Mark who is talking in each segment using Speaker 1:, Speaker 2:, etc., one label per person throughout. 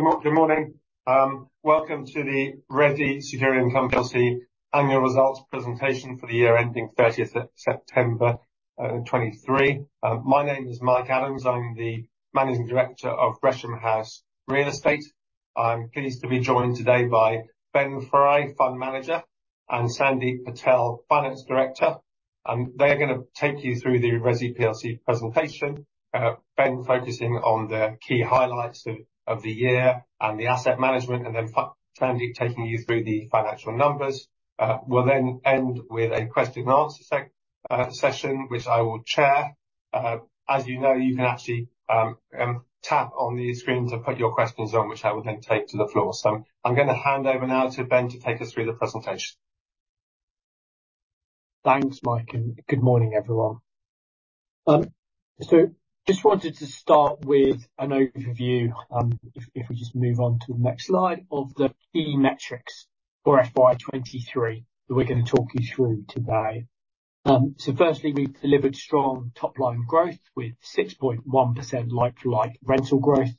Speaker 1: Good morning. Welcome to the ReSI Secure Income plc annual results presentation for the year ending 30th of September 2023. My name is Mike Adams. I'm the Managing Director of Gresham House Real Estate. I'm pleased to be joined today by Ben Fry, Fund Manager, and Sandip Patel, Finance Director, and they're gonna take you through the ReSI plc presentation. Ben focusing on the key highlights of the year and the asset management, and then Sandip taking you through the financial numbers. We'll then end with a question and answer session, which I will chair. As you know, you can actually tap on the screen to put your questions on, which I will then take to the floor. So I'm gonna hand over now to Ben, to take us through the presentation.
Speaker 2: Thanks, Mike, and good morning, everyone. So just wanted to start with an overview, if we just move on to the next slide, of the key metrics for FY 2023, that we're gonna talk you through today. So firstly, we've delivered strong top-line growth with 6.1% like-for-like rental growth,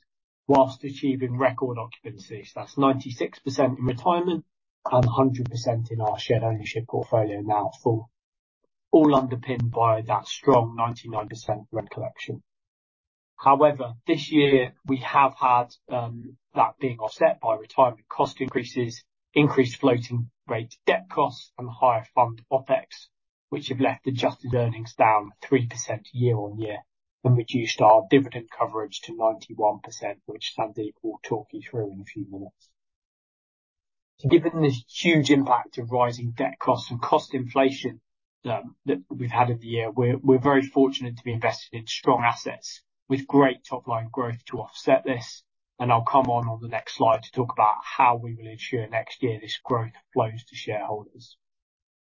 Speaker 2: while achieving record occupancy. So that's 96% in retirement and 100% in our shared ownership portfolio, now full. All underpinned by that strong 99% rent collection. However, this year we have had that being offset by retirement cost increases, increased floating rate debt costs, and higher fund OpEx, which have left adjusted earnings down 3% year-on-year, and reduced our dividend coverage to 91%, which Sandip will talk you through in a few moments. Given the huge impact of rising debt costs and cost inflation that we've had in the year, we're very fortunate to be invested in strong assets with great top-line growth to offset this, and I'll come on to the next slide to talk about how we will ensure next year this growth flows to shareholders.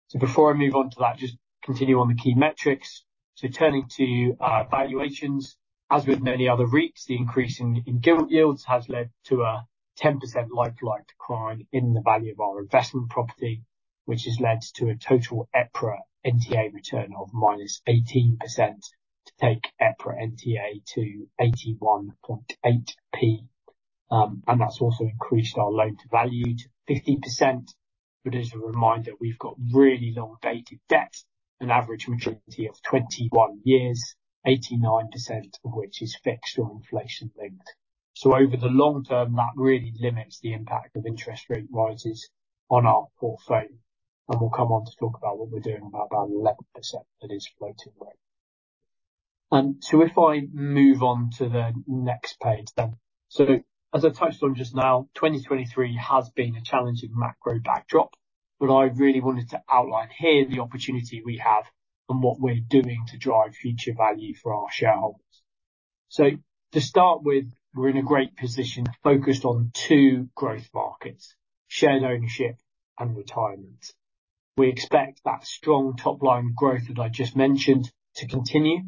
Speaker 2: So before I move on to that, just continue on the key metrics. So turning to our valuations, as with many other REITs, the increase in gilt yields has led to a 10% like-for-like decline in the value of our investment property, which has led to a total EPRA NTA return of -18%, to take EPRA NTA to 81.8p. And that's also increased our loan to value to 50%, but as a reminder, we've got really long-dated debt, an average maturity of 21 years, 89% of which is fixed or inflation-linked. So over the long term, that really limits the impact of interest rate rises on our portfolio, and we'll come on to talk about what we're doing about that 11% that is floating rate. So if I move on to the next page then. So, as I touched on just now, 2023 has been a challenging macro backdrop, but I really wanted to outline here the opportunity we have and what we're doing to drive future value for our shareholders. So to start with, we're in a great position, focused on two growth markets, shared ownership and retirement. We expect that strong top-line growth that I just mentioned to continue,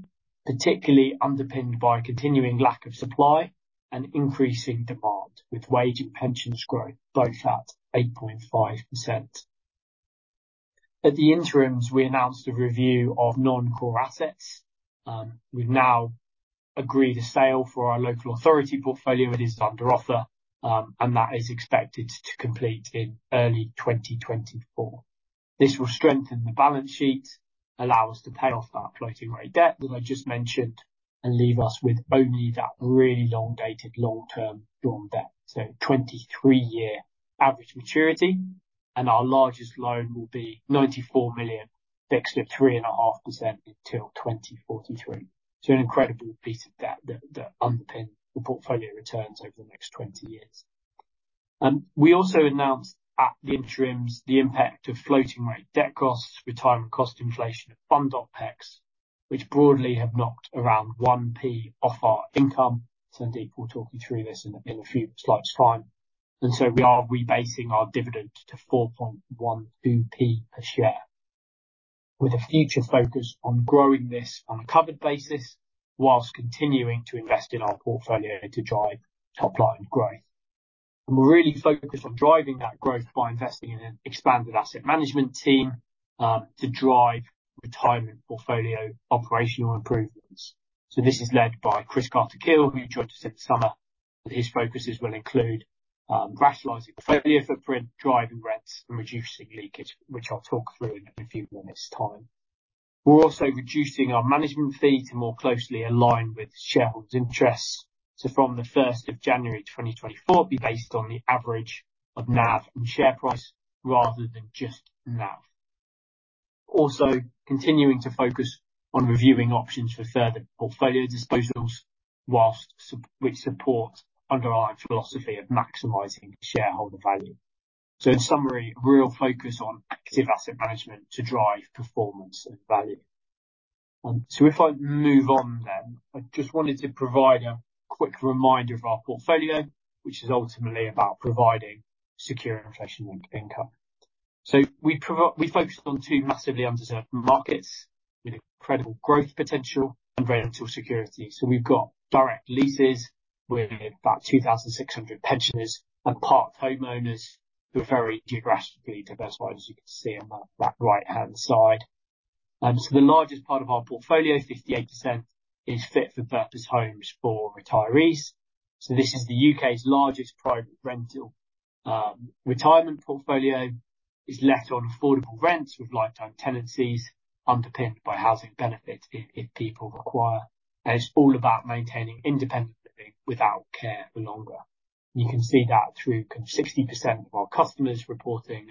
Speaker 2: particularly underpinned by a continuing lack of supply and increasing demand, with wage and pensions growth both at 8.5%. At the interims, we announced a review of non-core assets. We've now agreed a sale for our local authority portfolio. It is under offer, and that is expected to complete in early 2024. This will strengthen the balance sheet, allow us to pay off that floating rate debt that I just mentioned, and leave us with only that really long-dated, long-term bond debt. So a 23-year average maturity, and our largest loan will be 94 million, fixed at 3.5% until 2043. So an incredible piece of debt that underpin the portfolio returns over the next 20 years. We also announced at the interims the impact of floating rate debt costs, retirement cost inflation, and fund OpEx, which broadly have knocked around 1p off our income. Sandip will talk you through this in a few slides' time. So we are rebasing our dividend to 4.12p per share, with a future focus on growing this on a covered basis, while continuing to invest in our portfolio to drive top-line growth. We're really focused on driving that growth by investing in an expanded asset management team to drive retirement portfolio operational improvements. So this is led by Chris Carter Keall, who joined us in the summer. His focuses will include rationalizing the portfolio footprint, driving rents, and reducing leakage, which I'll talk through in a few moments' time. We're also reducing our management fee to more closely align with shareholders' interests. So from January 1, 2024, it'll be based on the average of NAV and share price, rather than just NAV. Also, continuing to focus on reviewing options for further portfolio disposals, while which supports underlying philosophy of maximizing shareholder value. So in summary, a real focus on active asset management to drive performance and value. So if I move on then, I just wanted to provide a quick reminder of our portfolio, which is ultimately about providing secure inflation income. So we focus on two massively underserved markets, with incredible growth, potential and rental security. So we've got direct leases with about 2,600 pensioners and park homeowners, who are very geographically diversified, as you can see on that right-hand side. So the largest part of our portfolio, 58%, is fit for purpose homes for retirees. So this is the U.K.'s largest private rental retirement portfolio. It's let on affordable rents with lifetime tenancies, underpinned by housing benefits if people require. And it's all about maintaining independent living without care for longer. You can see that through 60% of our customers reporting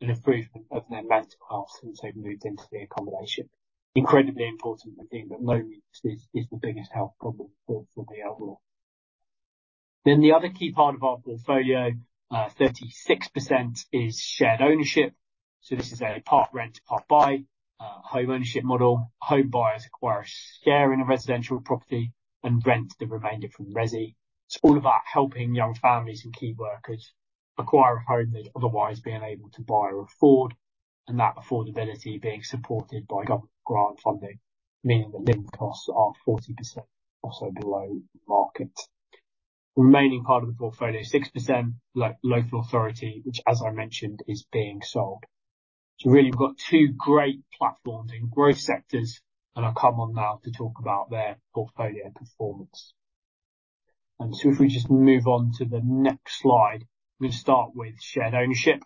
Speaker 2: an improvement of their mental health since they've moved into the accommodation. Incredibly important, we think that loneliness is the biggest health problem for the overall. Then the other key part of our portfolio, 36% is shared ownership. So this is a part rent, part buy home ownership model. Home buyers acquire a share in a residential property and rent the remainder from ReSI. It's all about helping young families and key workers acquire a home they'd otherwise be unable to buy or afford, and that affordability being supported by government grant funding, meaning the living costs are 40% or so below market. Remaining part of the portfolio, 6% local authority, which, as I mentioned, is being sold. So really, we've got two great platforms in growth sectors, and I'll come on now to talk about their portfolio performance. So if we just move on to the next slide, I'm gonna start with shared ownership.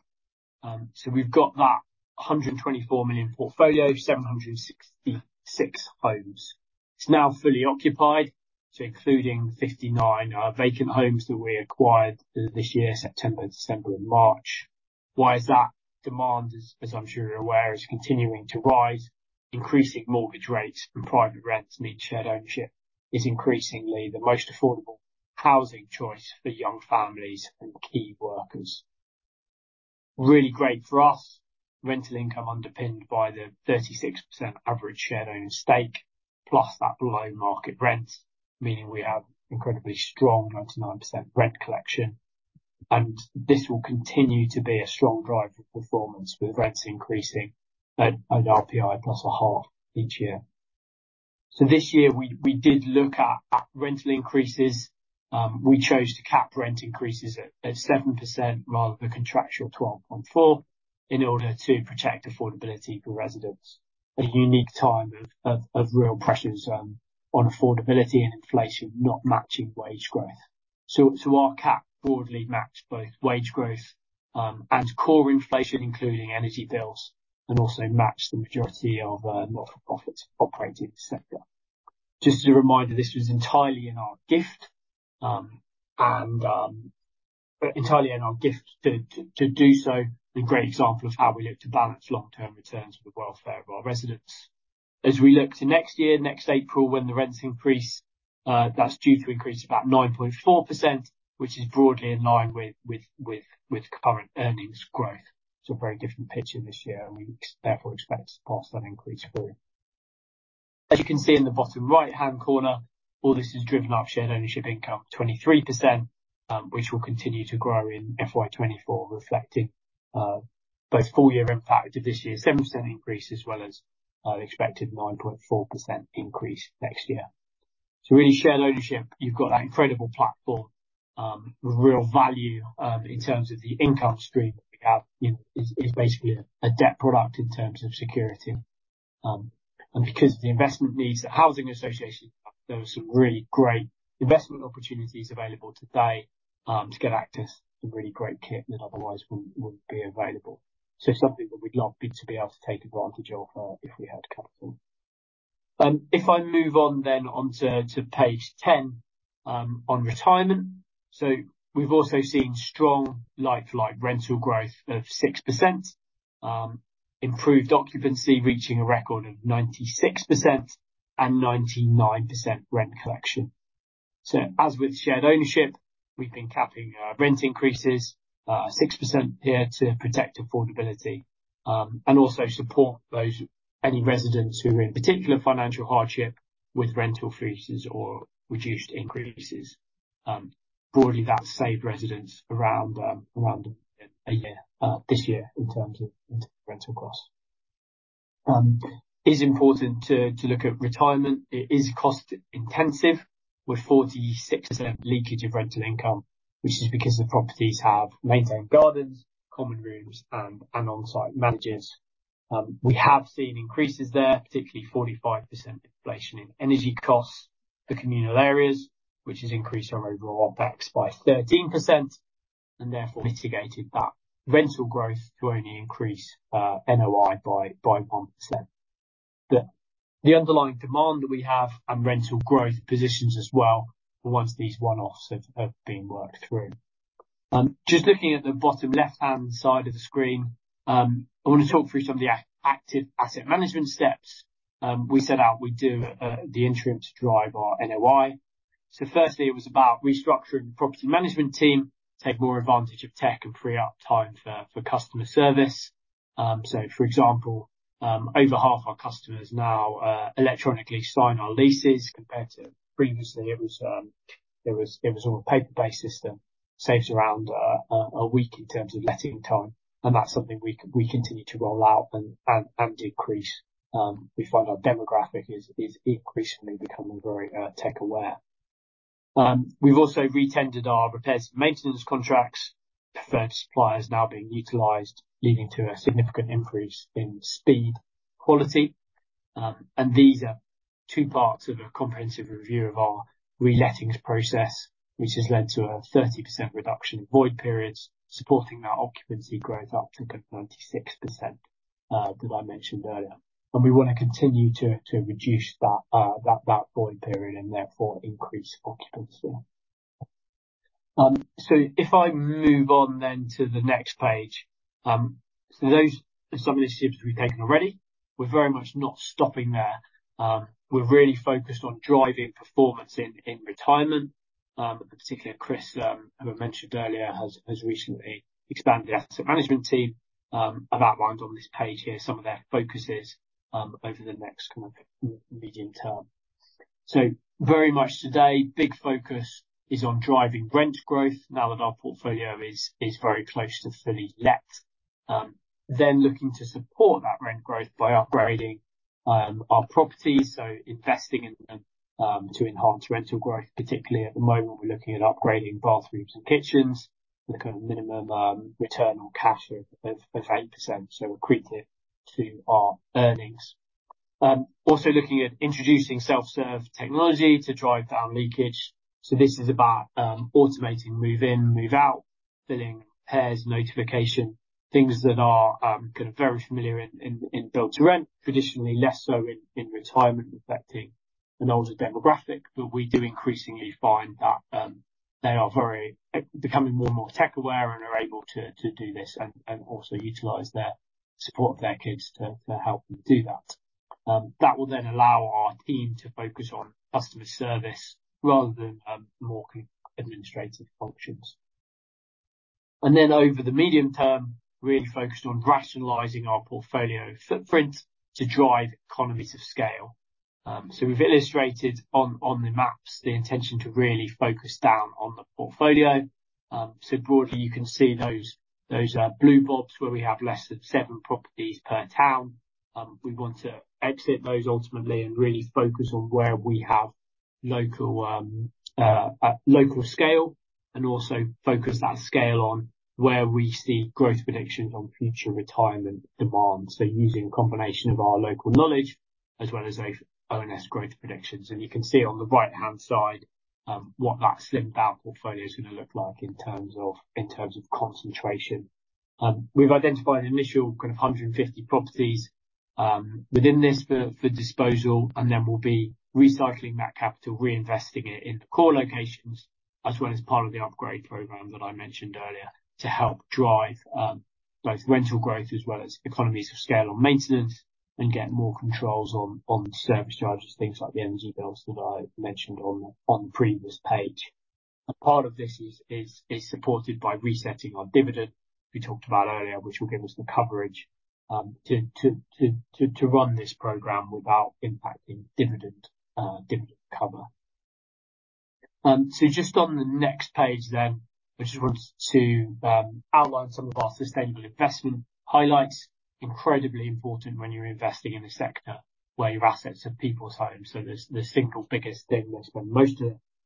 Speaker 2: So we've got that 124 million portfolio, 766 homes. It's now fully occupied, so including 59 vacant homes that we acquired this year, September, December, and March. Why is that? Demand, as I'm sure you're aware, is continuing to rise. Increasing mortgage rates and private rents mean shared ownership is increasingly the most affordable housing choice for young families and key workers. Really great for us. Rental income underpinned by the 36% average shared owner stake, plus that below-market rent, meaning we have incredibly strong 99% rent collection. And this will continue to be a strong driver of performance, with rents increasing at RPI plus 0.5 each year. So this year we did look at rental increases. We chose to cap rent increases at 7%, rather than contractual 12.4, in order to protect affordability for residents. A unique time of real pressures on affordability and inflation, not matching wage growth. So our cap broadly matched both wage growth and core inflation, including energy bills, and also matched the majority of not-for-profits operating in the sector. Just as a reminder, this was entirely in our gift and entirely in our gift to do so, and a great example of how we look to balance long-term returns with the welfare of our residents. As we look to next year, next April, when the rents increase, that's due to increase about 9.4%, which is broadly in line with current earnings growth. It's a very different picture this year, and we therefore expect to pass that increase through. As you can see in the bottom right-hand corner, all this has driven up shared ownership income 23%, which will continue to grow in FY 2024, reflecting both full year impact of this year's 7% increase, as well as our expected 9.4% increase next year. So really, shared ownership, you've got that incredible platform, real value, in terms of the income stream that we have. You know, it's basically a debt product in terms of security. And because of the investment needs of the housing association, there are some really great investment opportunities available today, to get access to really great kit that otherwise wouldn't be available. So something that we'd love to be able to take advantage of, if we had capital. If I move on then onto to page 10, on retirement. So we've also seen strong lifeline rental growth of 6%, improved occupancy reaching a record of 96% and 99% rent collection. So as with shared ownership, we've been capping our rent increases, 6% here to protect affordability, and also support those, any residents who are in particular financial hardship with rental freezes or reduced increases. Broadly, that saved residents around, around a year, this year in terms of rental costs. It is important to, to look at retirement. It is cost intensive, with 46% leakage of rental income, which is because the properties have maintained gardens, common rooms, and, and on-site managers. We have seen increases there, particularly 45% inflation in energy costs for communal areas, which has increased our overall OpEx by 13%, and therefore mitigated that rental growth to only increase NOI by 1%. The underlying demand that we have and rental growth positions as well, once these one-offs have been worked through. Just looking at the bottom left-hand side of the screen, I want to talk through some of the active asset management steps we set out we'd do at the interim to drive our NOI. So firstly, it was about restructuring the property management team to take more advantage of tech and free up time for customer service. So for example, over half our customers now electronically sign our leases, compared to previously, it was all a paper-based system. Saves around a week in terms of letting time, and that's something we continue to roll out and decrease. We find our demographic is increasingly becoming very tech aware. We've also re-tendered our repairs and maintenance contracts. Preferred supplier is now being utilized, leading to a significant increase in speed, quality. And these are two parts of a comprehensive review of our reletting process, which has led to a 30% reduction in void periods, supporting that occupancy growth up to 96%, that I mentioned earlier. And we wanna continue to reduce that void period, and therefore increase occupancy. So if I move on then to the next page. So those are some initiatives we've taken already. We're very much not stopping there. We're really focused on driving performance in retirement. Particularly Chris, who I mentioned earlier, has recently expanded the asset management team. I've outlined on this page here some of their focuses over the next kind of medium term. So very much today, big focus is on driving rent growth now that our portfolio is very close to fully let. Then looking to support that rent growth by upgrading our properties, so investing in them to enhance rental growth. Particularly at the moment, we're looking at upgrading bathrooms and kitchens with a minimum return on cash of 8%, so accretive to our earnings. Also looking at introducing self-serve technology to drive down leakage. So this is about automating move-in, move-out, billing, repairs, notification, things that are kind of very familiar in build-to-rent, traditionally less so in retirement, reflecting an older demographic. But we do increasingly find that they are very becoming more and more tech aware and are able to do this, and also utilize their support of their kids to help them do that. That will then allow our team to focus on customer service rather than more administrative functions. Then over the medium term, really focused on rationalizing our portfolio footprint to drive economies of scale. So we've illustrated on the maps the intention to really focus down on the portfolio. So broadly, you can see those, those blue blobs where we have less than 7 properties per town. We want to exit those ultimately and really focus on where we have local scale, and also focus that scale on where we see growth predictions on future retirement demand. Using a combination of our local knowledge as well as ONS growth predictions. And you can see on the right-hand side, what that slimmed out portfolio is gonna look like in terms of concentration. We've identified an initial kind of 150 properties within this for disposal, and then we'll be recycling that capital, reinvesting it in the core locations, as well as part of the upgrade program that I mentioned earlier, to help drive both rental growth as well as economies of scale on maintenance, and get more controls on service charges, things like the energy bills that I mentioned on the previous page. And part of this is supported by resetting our dividend, we talked about earlier, which will give us the coverage to run this program without impacting dividend cover. So just on the next page then, I just wanted to outline some of our sustainable investment highlights. Incredibly important when you're investing in a sector where your assets are people's homes, so that's the single biggest thing they spend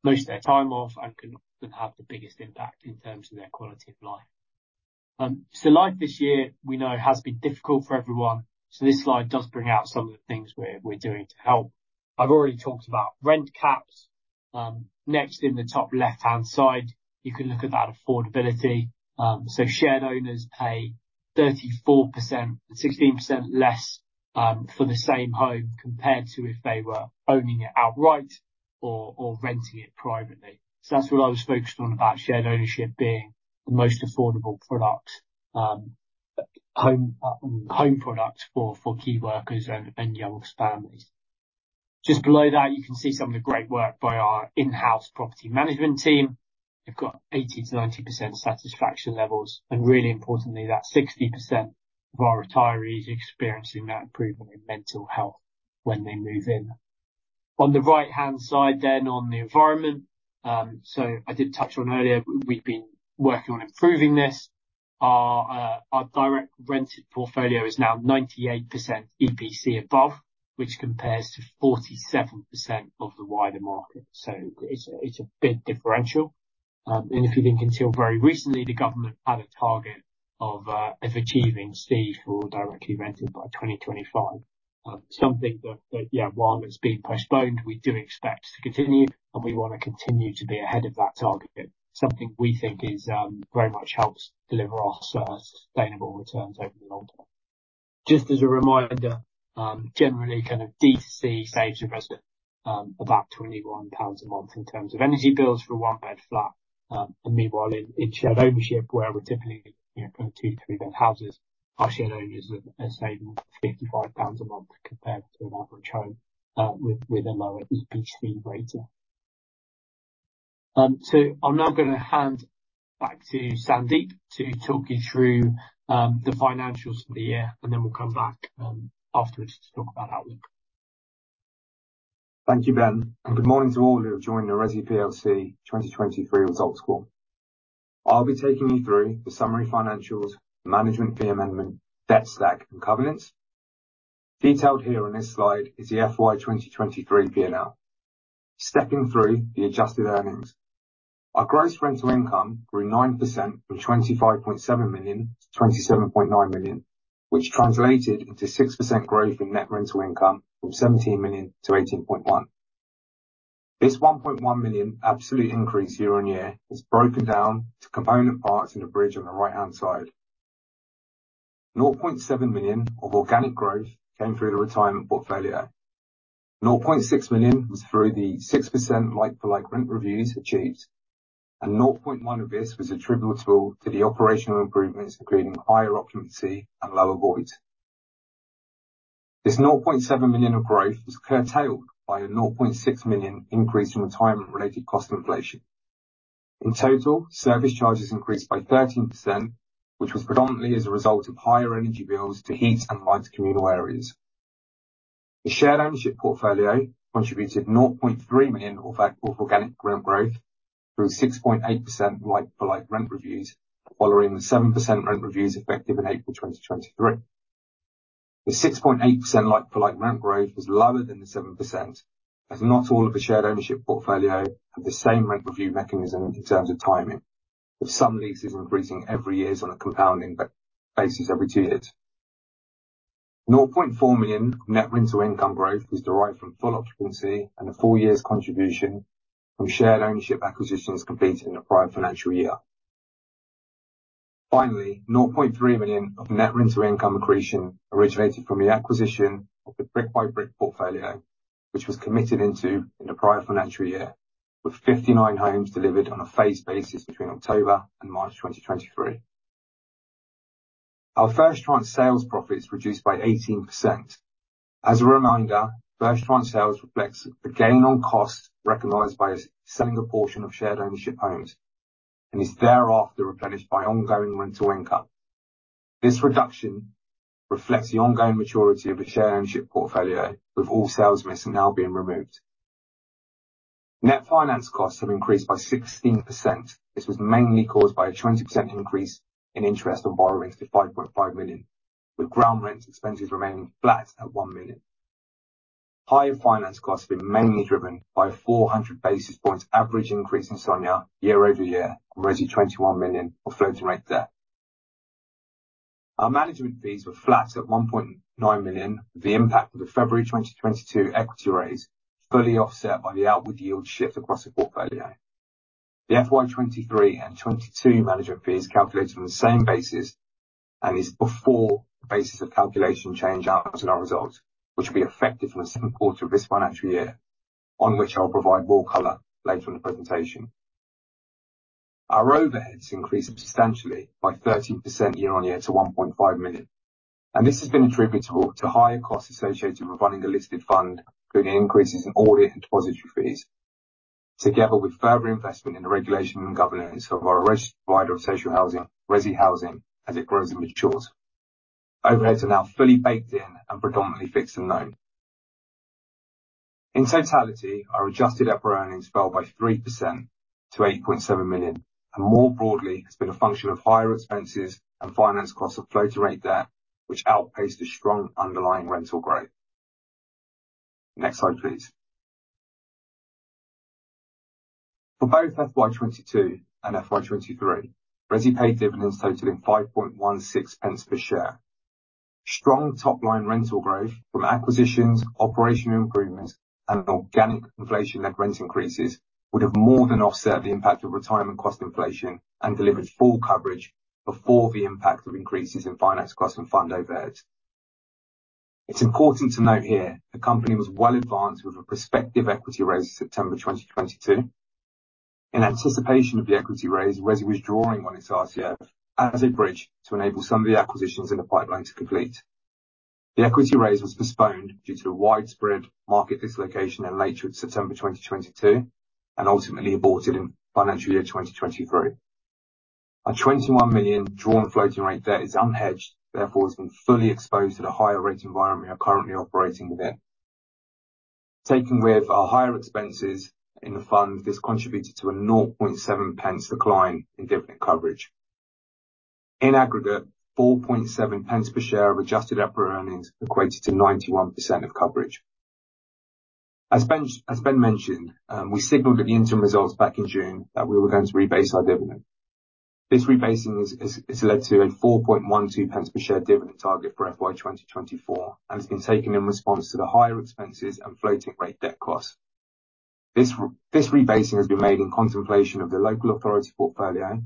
Speaker 2: most of their time off, and can have the biggest impact in terms of their quality of life. So like this year, we know, has been difficult for everyone, so this slide does bring out some of the things we're doing to help. I've already talked about rent caps. Next, in the top left-hand side, you can look at that affordability. So shared owners pay 34%, 16% less, for the same home, compared to if they were owning it outright or renting it privately. So that's what I was focused on, about shared ownership being the most affordable product, home product for key workers and young families. Just below that, you can see some of the great work by our in-house property management team. They've got 80%-90% satisfaction levels, and really importantly, that 60% of our retirees experiencing that improvement in mental health when they move in. On the right-hand side then, on the environment, so I did touch on earlier, we've been working on improving this. Our, our direct rented portfolio is now 98% EPC above, which compares to 47% of the wider market. So it's a, it's a big differential. And if you think until very recently, the government had a target of, of achieving C for directly rented by 2025. Something that, that, yeah, while it's been postponed, we do expect to continue, and we want to continue to be ahead of that target. Something we think is very much helps deliver our sustainable returns over the long term. Just as a reminder, generally kind of D, C saves a resident about 21 pounds a month in terms of energy bills for a one-bed flat. And meanwhile, in shared ownership, where we're typically, you know, kind of two, three-bed houses, our shared owners are saving 55 pounds a month compared to an average home with a lower EPC rating. So I'm now gonna hand back to Sandip to talk you through the financials for the year, and then we'll come back afterwards to talk about outlook.
Speaker 3: Thank you, Ben, and good morning to all who have joined the ReSI plc 2023 results call. I'll be taking you through the summary financials, management fee amendment, debt stack and covenants.... Detailed here on this slide is the FY 2023 P&L. Stepping through the adjusted earnings. Our gross rental income grew 9% from 25.7 million to 27.9 million, which translated into 6% growth in net rental income from 17 million to 18.1 million. This 1.1 million absolute increase year-on-year is broken down to component parts in the bridge on the right-hand side. 0.7 million of organic growth came through the retirement portfolio. 0.6 million was through the 6% like-for-like rent reviews achieved, and 0.1 of this was attributable to the operational improvements, including higher occupancy and lower void. This 0.7 million of growth was curtailed by a 0.6 million increase in retirement-related cost inflation. In total, service charges increased by 13%, which was predominantly as a result of higher energy bills to heat and light communal areas. The shared ownership portfolio contributed 0.3 million of organic rent growth, through 6.8% like-for-like rent reviews, following the 7% rent reviews effective in April 2023. The 6.8% like for like rent growth was lower than the 7%, as not all of the shared ownership portfolio had the same rent review mechanism in terms of timing, with some leases increasing every year on a compounding, but basis every two years. 0.4 million net rental income growth is derived from full occupancy and a full year's contribution from shared ownership acquisitions completed in the prior financial year. Finally, 0.3 million of net rental income accretion originated from the acquisition of the Brick by Brick portfolio, which was committed into in the prior financial year, with 59 homes delivered on a phased basis between October and March 2023. Our first-time sales profits reduced by 18%. As a reminder, first-time sales reflects the gain on costs recognized by us selling a portion of shared ownership homes, and is thereafter replenished by ongoing rental income. This reduction reflects the ongoing maturity of the shared ownership portfolio, with all sales mix now being removed. Net finance costs have increased by 16%. This was mainly caused by a 20% increase in interest on borrowings to 5.5 million, with ground rents expenses remaining flat at 1 million. Higher finance costs have been mainly driven by a 400 basis points average increase in SONIA year-over-year, 21 million of floating rate debt. Our management fees were flat at 1.9 million. The impact of the February 2022 equity raise, fully offset by the outward yield shift across the portfolio. The FY 2023 and 2022 management fee is calculated on the same basis, and is before the basis of calculation change announced in our results, which will be effective in the second quarter of this financial year, on which I'll provide more color later in the presentation. Our overheads increased substantially by 13% year-on-year to 1.5 million, and this has been attributable to higher costs associated with running the listed fund, including increases in audit and depositary fees, together with further investment in the regulation and governance of our registered provider of social housing, ReSI Housing, as it grows and matures. Overheads are now fully baked in and predominantly fixed and known. In totality, our adjusted EPRA earnings fell by 3% to 8.7 million, and more broadly, it's been a function of higher expenses and finance costs of floating rate debt, which outpaced the strong underlying rental growth. Next slide, please. For both FY 2022 and FY 2023, ReSI paid dividends totaling 5.16 pence per share. Strong top-line rental growth from acquisitions, operational improvements, and organic inflation-led rent increases, would have more than offset the impact of retirement cost inflation and delivered full coverage before the impact of increases in finance costs and fund overheads. It's important to note here, the company was well advanced with a prospective equity raise in September 2022. In anticipation of the equity raise, ReSI was drawing on its RCF as a bridge to enable some of the acquisitions in the pipeline to complete. The equity raise was postponed due to the widespread market dislocation in later September 2022, and ultimately aborted in financial year 2023. Our 21 million drawn floating rate debt is unhedged, therefore, it's been fully exposed to the higher rate environment we are currently operating within. Taken with our higher expenses in the fund, this contributed to a 0.007 decline in dividend coverage. In aggregate, 0.047 per share of adjusted EPRA earnings equates to 91% of coverage. As Ben mentioned, we signaled at the interim results back in June that we were going to rebase our dividend. This rebasing has led to a 0.0412 per share dividend target for FY 2024, and it's been taken in response to the higher expenses and floating rate debt costs. This rebasing has been made in contemplation of the local authority portfolio,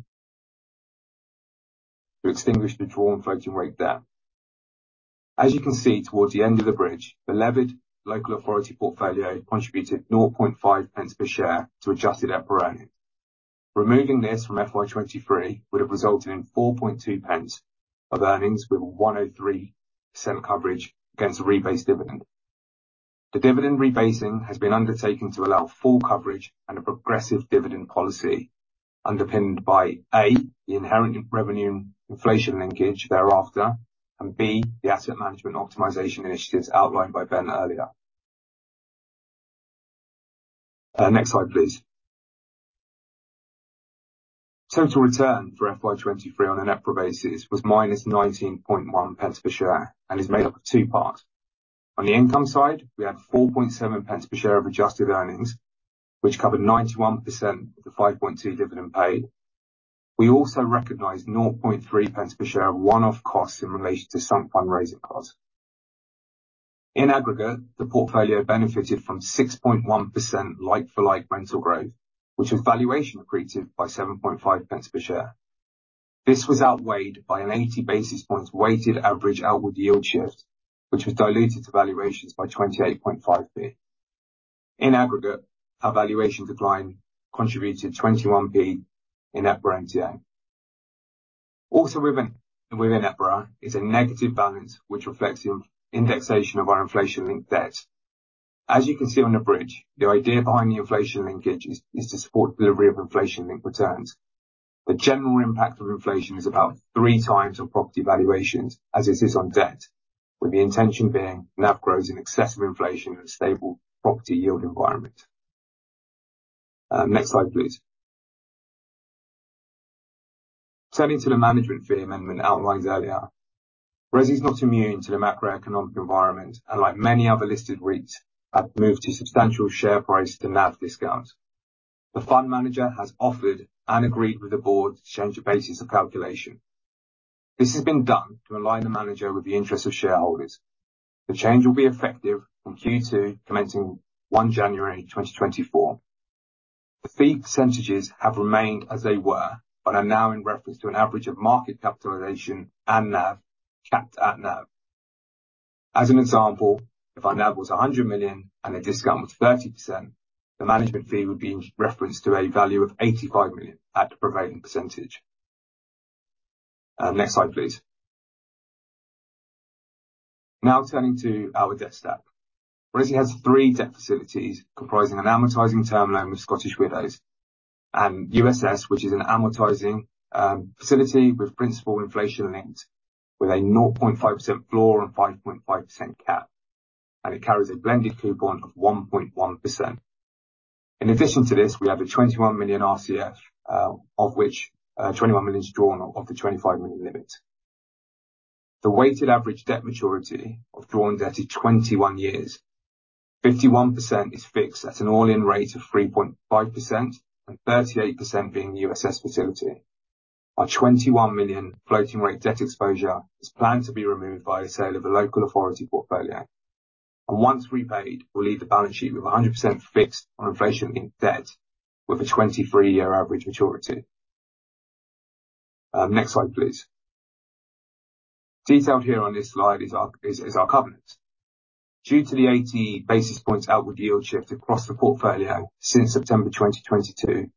Speaker 3: to extinguish the drawn floating rate debt. As you can see, towards the end of the bridge, the levered local authority portfolio contributed 0.005 per share to adjusted EPRA earnings. Removing this from FY 2023 would have resulted in 4.2 pence of earnings, with 103% coverage against the rebased dividend. The dividend rebasing has been undertaken to allow full coverage and a progressive dividend policy, underpinned by, A, the inherent revenue inflation linkage thereafter, and B, the asset management optimization initiatives outlined by Ben earlier. Next slide, please. Total return for FY 2023 on a NAV pe share basis was -19.1 pence per share and is made up of two parts. On the income side, we had 4.7 pence per share of adjusted earnings, which covered 91% of the 5.2 dividend paid. We also recognized 0.3 pence per share one-off costs in relation to some fundraising costs. In aggregate, the portfolio benefited from 6.1% like-for-like rental growth, which was valuation accretive by 7.5 pence per share. This was outweighed by an 80 basis points weighted average outward yield shift, which was diluted to valuations by 28.5p. In aggregate, our valuation decline contributed 21p in EPRA NTA. Also, within EPRA is a negative balance, which reflects indexation of our inflation-linked debt. As you can see on the bridge, the idea behind the inflation linkage is to support delivery of inflation-linked returns. The general impact of inflation is about three times on property valuations, as it is on debt, with the intention being NAV grows in excess of inflation in a stable property yield environment. Next slide, please. Turning to the management fee amendment outlined earlier. ReSI is not immune to the macroeconomic environment, and like many other listed REITs, have moved to substantial share price to NAV discounts. The fund manager has offered and agreed with the board to change the basis of calculation. This has been done to align the manager with the interests of shareholders. The change will be effective from Q2, commencing 1 January 2024. The fee percentages have remained as they were, but are now in reference to an average of market capitalization and NAV, capped at NAV. As an example, if our NAV was 100 million and the discount was 30%, the management fee would be in reference to a value of 85 million at the prevailing percentage. Next slide, please. Now, turning to our debt stack. ReSI has three debt facilities, comprising an amortizing term loan with Scottish Widows and USS, which is an amortizing facility with principal inflation linked, with a 0.5% floor and 5.5% cap, and it carries a blended coupon of 1.1%. In addition to this, we have a 21 million RCF, of which 21 million is drawn off the 25 million limit. The weighted average debt maturity of drawn debt is 21 years. 51% is fixed at an all-in rate of 3.5%, and 38% being USS facility. Our 21 million floating rate debt exposure is planned to be removed by the sale of a local authority portfolio, and once repaid, will leave the balance sheet with 100% fixed on inflation in debt with a 23-year average maturity. Next slide, please. Detailed here on this slide is our covenant. Due to the 80 basis points outward yield shift across the portfolio since September 2022,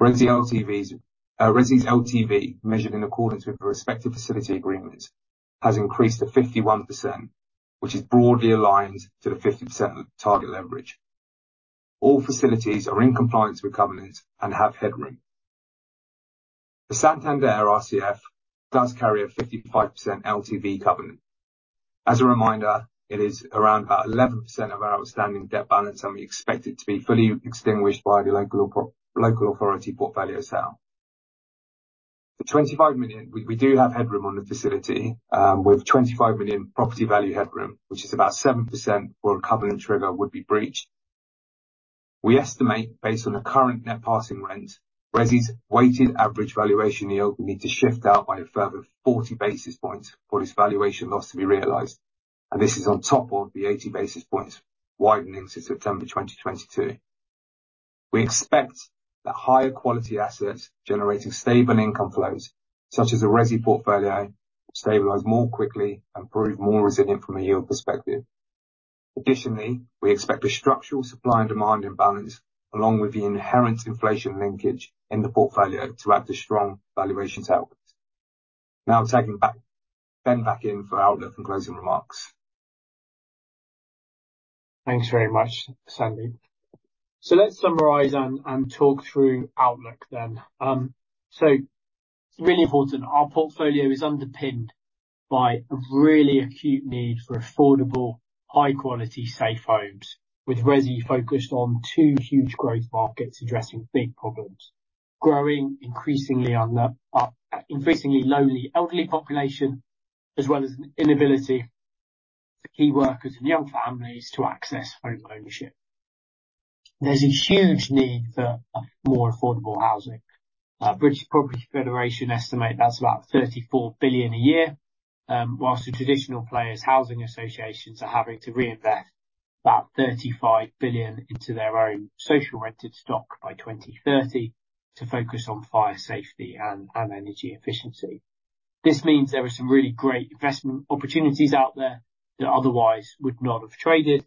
Speaker 3: ReSI LTVs, ReSI's LTV, measured in accordance with the respective facility agreements, has increased to 51%, which is broadly aligned to the 50% target leverage. All facilities are in compliance with covenants and have headroom. The Santander RCF does carry a 55% LTV covenant. As a reminder, it is around about 11% of our outstanding debt balance, and we expect it to be fully extinguished by the local authority portfolio sale. The 25 million, we do have headroom on the facility, with 25 million property value headroom, which is about 7% where a covenant trigger would be breached. We estimate, based on the current net passing rent, ReSI's weighted average valuation yield will need to shift out by a further 40 basis points for this valuation loss to be realized, and this is on top of the 80 basis points widening since September 2022. We expect that higher quality assets generating stable income flows, such as the ReSI portfolio, will stabilize more quickly and prove more resilient from a yield perspective. Additionally, we expect a structural supply and demand imbalance, along with the inherent inflation linkage in the portfolio to add to strong valuations outcomes. Now, taking Ben back in for outlook and closing remarks.
Speaker 2: Thanks very much, Sandip. So let's summarize and talk through outlook then. So it's really important, our portfolio is underpinned by a really acute need for affordable, high quality, safe homes, with ReSI focused on two huge growth markets addressing big problems: growing increasingly on the increasingly lonely elderly population, as well as an inability for key workers and young families to access home ownership. There's a huge need for more affordable housing. British Property Federation estimate that's about 34 billion a year, while the traditional players, housing associations, are having to reinvest about 35 billion into their own social rented stock by 2030, to focus on fire safety and energy efficiency. This means there are some really great investment opportunities out there that otherwise would not have traded,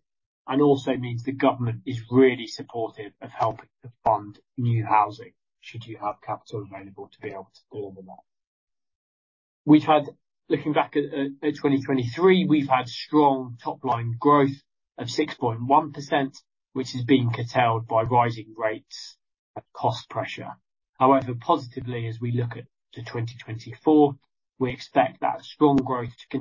Speaker 2: and also means the government is really supportive of helping to fund new housing, should you have capital available to be able to deliver that. We've had, looking back at 2023, we've had strong top-line growth of 6.1%, which has been curtailed by rising rates and cost pressure. However, positively, as we look to 2024, we expect that strong growth to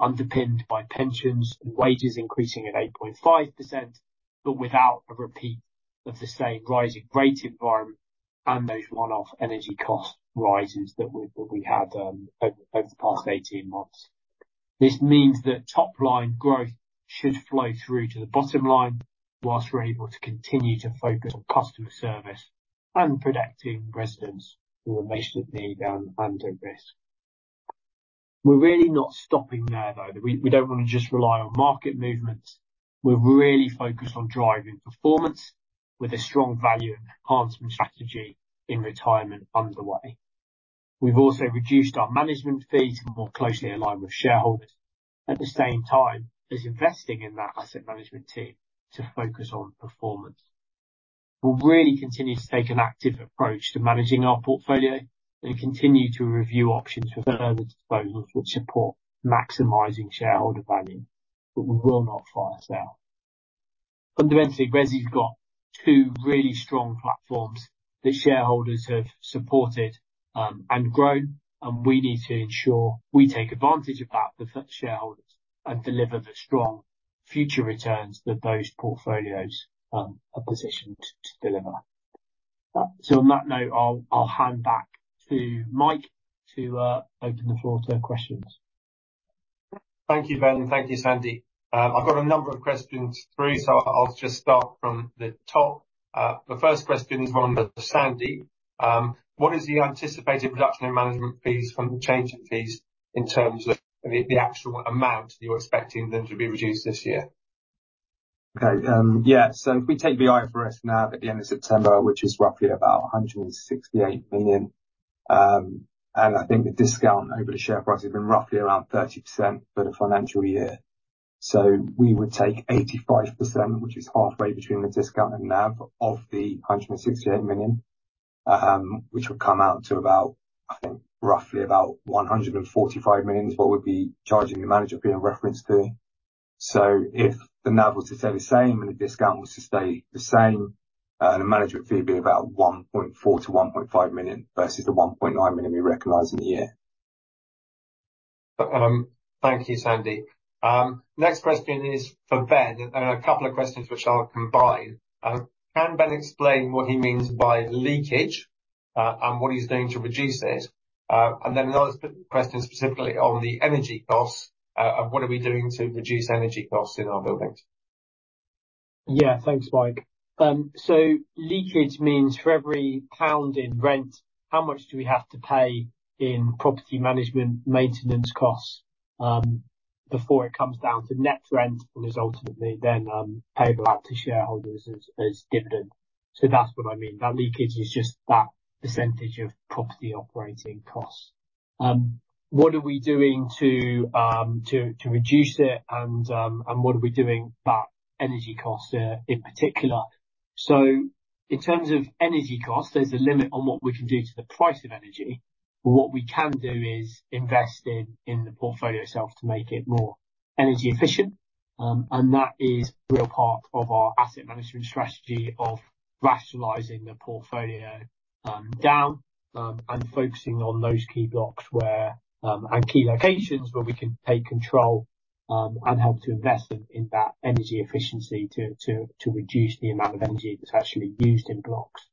Speaker 2: continue, underpinned by pensions and wages increasing at 8.5%, but without a repeat of the same rising rate environment and those one-off energy cost rises that we had over the past 18 months. This means that top line growth should flow through to the bottom line, while we're able to continue to focus on customer service and protecting residents who are most at need and at risk. We're really not stopping there, though. We don't want to just rely on market movements. We're really focused on driving performance with a strong value enhancement strategy in retirement underway. We've also reduced our management fees to more closely align with shareholders. At the same time, we're investing in that asset management team to focus on performance. We'll really continue to take an active approach to managing our portfolio and continue to review options for further disposals, which support maximizing shareholder value, but we will not sell. Fundamentally, ReSI's got two really strong platforms that shareholders have supported, and grown, and we need to ensure we take advantage of that for, for shareholders and deliver the strong future returns that those portfolios are positioned to deliver. So on that note, I'll hand back to Mike to open the floor to questions.
Speaker 1: Thank you, Ben. Thank you, Sandip. I've got a number of questions through, so I'll just start from the top. The first question is one for Sandip. What is the anticipated reduction in management fees from the change in fees in terms of the, the actual amount you're expecting them to be reduced this year?
Speaker 3: Okay, yeah, so if we take the IFRS NAV at the end of September, which is roughly about 168 million, and I think the discount over the share price has been roughly around 30% for the financial year. So we would take 85%, which is halfway between the discount and NAV, of the 168 million, which would come out to about, I think, roughly about 145 million, is what we'd be charging the management fee and reference fee. So if the NAV was to stay the same, and the discount was to stay the same, the management fee would be about 1.4 million-1.5 million, versus the 1.9 million we recognized in the year.
Speaker 1: Thank you, Sandip. Next question is for Ben, and a couple of questions which I'll combine. Can Ben explain what he means by leakage, and what he's doing to reduce it? And then another question specifically on the energy costs, and what are we doing to reduce energy costs in our buildings?
Speaker 2: Yeah, thanks, Mike. So leakage means for every GBP 1 in rent, how much do we have to pay in property management, maintenance costs, before it comes down to net rent, and is ultimately then paid out to shareholders as dividend. So that's what I mean. That leakage is just that percentage of property operating costs. What are we doing to reduce it, and what are we doing about energy costs, in particular? So in terms of energy costs, there's a limit on what we can do to the price of energy, but what we can do is invest in the portfolio itself to make it more energy efficient. And that is a real part of our asset management strategy of rationalizing the portfolio down and focusing on those key blocks and key locations where we can take control and help to invest in that energy efficiency to reduce the amount of energy that's actually used in blocks.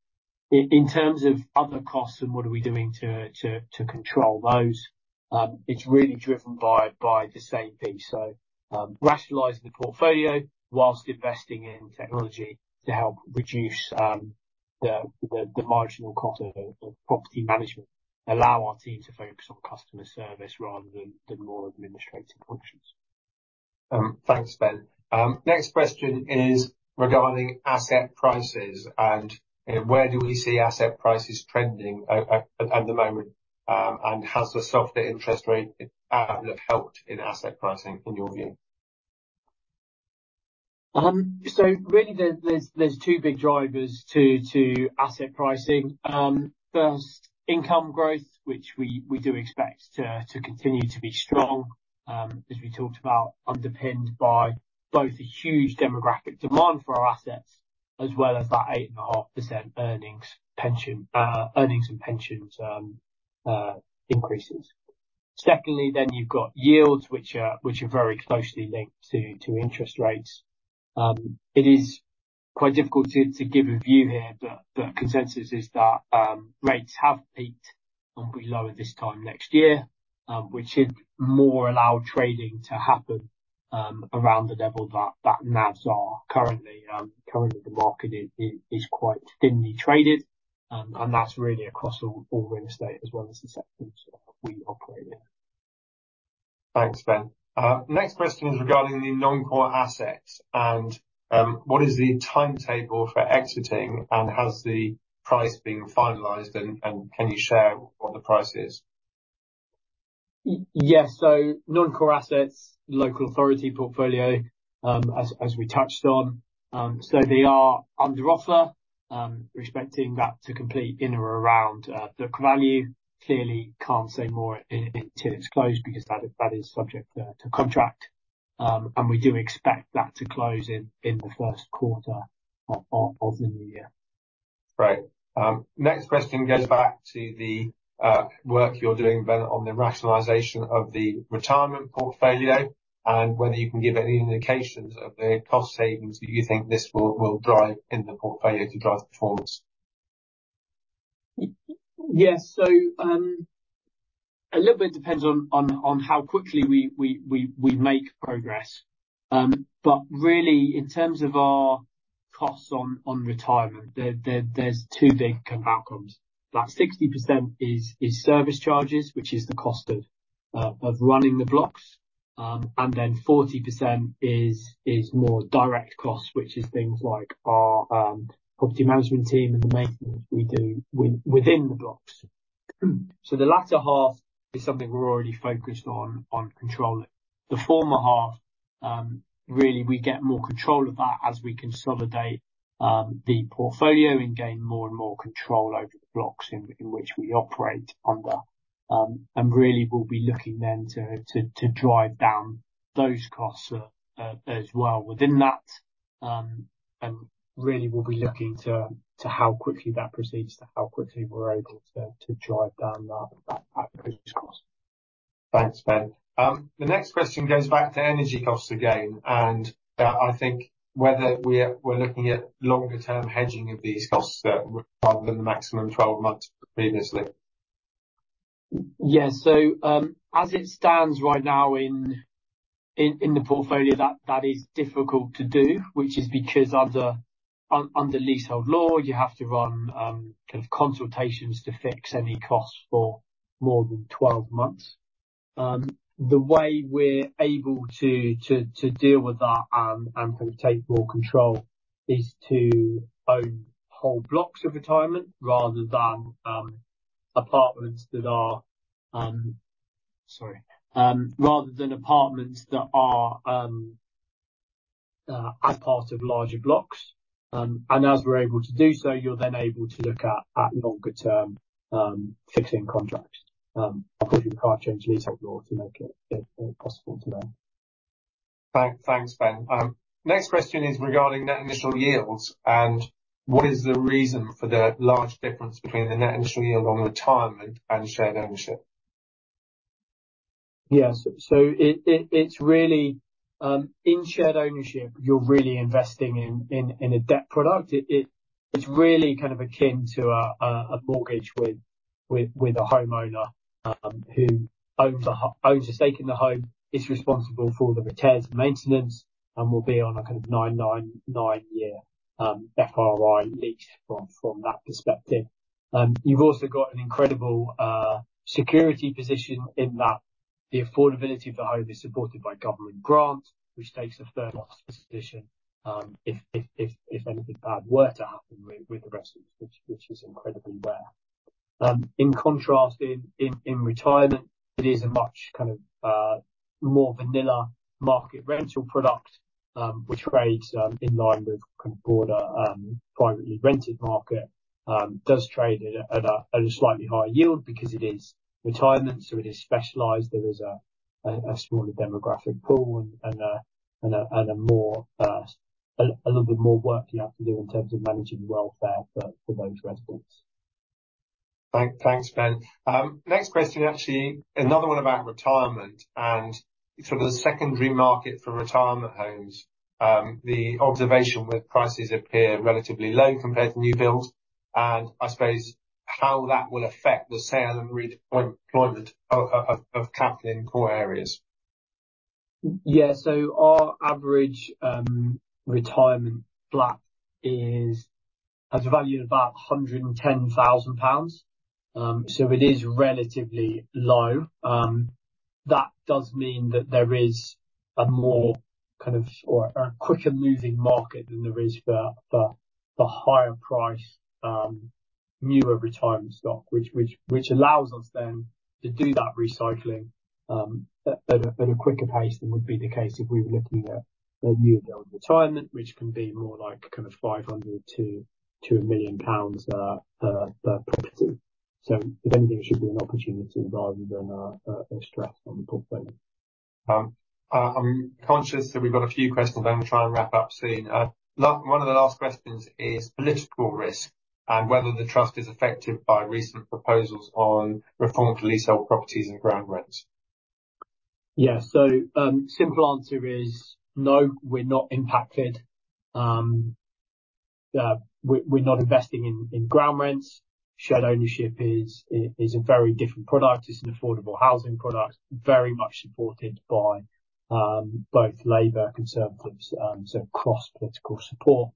Speaker 2: In terms of other costs and what are we doing to control those, it's really driven by the same thing. So, rationalizing the portfolio whilst investing in technology to help reduce the marginal cost of property management, allow our team to focus on customer service rather than more administrative functions.
Speaker 1: Thanks, Ben. Next question is regarding asset prices, and where do we see asset prices trending at the moment? Has the softer interest rate have helped in asset pricing, in your view?
Speaker 2: So really, there, there are two big drivers to asset pricing. First, income growth, which we do expect to continue to be strong, as we talked about, underpinned by both the huge demographic demand for our assets, as well as that 8.5% earnings, pension, earnings and pensions increases. Second, then you've got yields which are very closely linked to interest rates. It is quite difficult to give a view here, but the consensus is that rates have peaked and will be lower this time next year, which should more allow trading to happen around the level that NAVs are currently. Currently the market is quite thinly traded, and that's really across all real estate, as well as the sectors that we operate in.
Speaker 1: Thanks, Ben. Next question is regarding the non-core assets, and what is the timetable for exiting, and has the price been finalized, and can you share what the price is?
Speaker 2: Yes, so non-core assets, local authority portfolio, as we touched on, so they are under offer, expecting that to complete in or around the value. Clearly, can't say more until it's closed, because that is subject to contract. And we do expect that to close in the first quarter of the new year.
Speaker 1: Right. Next question goes back to the work you're doing, Ben, on the rationalization of the retirement portfolio, and whether you can give any indications of the cost savings that you think this will, will drive in the portfolio to drive performance?
Speaker 2: Yes. So, a little bit depends on how quickly we make progress. But really, in terms of our costs on retirement, there's two big kind of outcomes. About 60% is service charges, which is the cost of running the blocks. And then 40% is more direct costs, which is things like our property management team and the maintenance we do within the blocks. So the latter half is something we're already focused on controlling. The former half, really, we get more control of that as we consolidate the portfolio and gain more and more control over the blocks in which we operate under. And really, we'll be looking then to drive down those costs as well. Within that, and really, we'll be looking to how quickly that proceeds, to how quickly we're able to drive down that cost.
Speaker 1: Thanks, Ben. The next question goes back to energy costs again, and I think whether we're looking at longer term hedging of these costs, rather than the maximum 12 months previously.
Speaker 2: Yeah. So, as it stands right now in the portfolio, that is difficult to do, which is because under leasehold law, you have to run kind of consultations to fix any costs for more than 12 months. The way we're able to deal with that and kind of take more control is to own whole blocks of retirement rather than apartments that are... Sorry. Rather than apartments that are as part of larger blocks. And as we're able to do so, you're then able to look at longer-term fixing contracts. Of course, we can't change leasehold law to make it possible today.
Speaker 1: Thanks, Ben. Next question is regarding net initial yields, and what is the reason for the large difference between the net initial yield on retirement and shared ownership?
Speaker 2: Yeah. So it's really in shared ownership, you're really investing in a debt product. It's really kind of akin to a mortgage with a homeowner who owns a stake in the home, is responsible for all the repairs and maintenance, and will be on a kind of 999-year FRI lease from that perspective. You've also got an incredible security position in that the affordability of the home is supported by government grants, which takes a third position, if anything bad were to happen with the residents, which is incredibly rare. In contrast, in retirement, it is a much kind of more vanilla market rental product, which trades in line with kind of broader privately rented market. Does trade at a slightly higher yield because it is retirement, so it is specialized. There is a smaller demographic pool and a more, a little bit more work you have to do in terms of managing the welfare for those residents.
Speaker 1: Thank, thanks, Ben. Next question, actually another one about retirement and sort of the secondary market for retirement homes. The observation where prices appear relatively low compared to new builds, and I suppose how that will affect the sale and re-deployment of capital in core areas.
Speaker 2: Yeah. So our average retirement block has a value of about 110,000 pounds. So it is relatively low. That does mean that there is a more kind of or a quicker-moving market than there is for the higher price newer retirement stock, which allows us then to do that recycling at a quicker pace than would be the case if we were looking at a newly built retirement, which can be more like kind of 500,000-1,000,000 pounds per property. So if anything, it should be an opportunity rather than a stress on the portfolio.
Speaker 1: I'm conscious that we've got a few questions, then we'll try and wrap up soon. One of the last questions is political risk, and whether the trust is affected by recent proposals on reform for leasehold properties and ground rents.
Speaker 2: Yeah. So, simple answer is no, we're not impacted. We're not investing in ground rents. Shared ownership is a very different product. It's an affordable housing product, very much supported by both Labour and Conservatives, so cross-political support.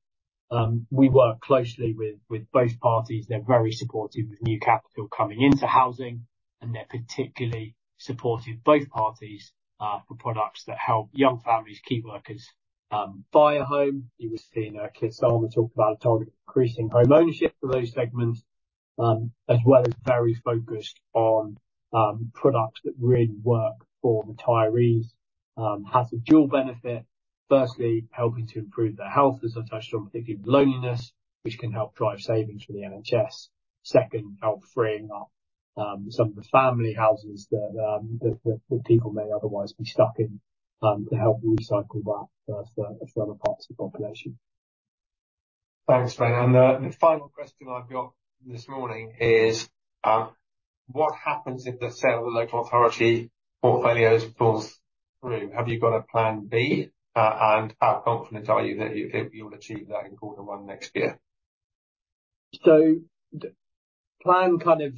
Speaker 2: We work closely with both parties. They're very supportive of new capital coming into housing, and they're particularly supportive, both parties, for products that help young families, key workers, buy a home. You were seeing Keir Starmer talk about targeting increasing home ownership for those segments, as well as very focused on products that really work for retirees. Has a dual benefit. Firstly, helping to improve their health, as I touched on with regard to loneliness, which can help drive savings for the NHS. Second, help freeing up some of the family houses that people may otherwise be stuck in, to help recycle that for other parts of the population.
Speaker 1: Thanks, Ben. The final question I've got this morning is, what happens if the sale of local authority portfolios falls through? Have you got a plan B? How confident are you that you'll achieve that in quarter one next year?
Speaker 2: So the plan, kind of.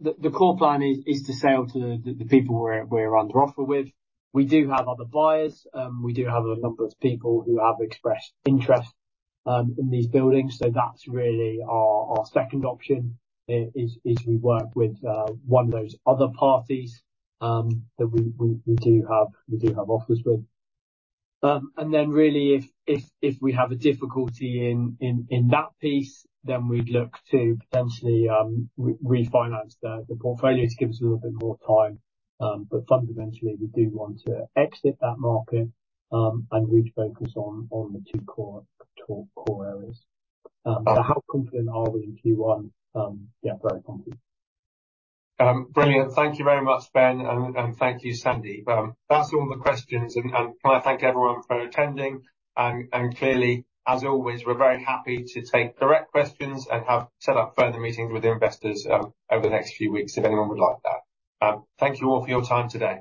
Speaker 2: The core plan is to sell to the people we're under offer with. We do have other buyers. We do have a number of people who have expressed interest in these buildings, so that's really our second option. Is we work with one of those other parties that we do have offers with. And then really, if we have a difficulty in that piece, then we'd look to potentially refinance the portfolio to give us a little bit more time. But fundamentally, we do want to exit that market and reach focus on the two core areas. So how confident are we in Q1? Yeah, very confident.
Speaker 1: Brilliant. Thank you very much, Ben, and thank you, Sandip. That's all the questions, and can I thank everyone for attending? And clearly, as always, we're very happy to take direct questions and have set up further meetings with investors over the next few weeks, if anyone would like that. Thank you all for your time today.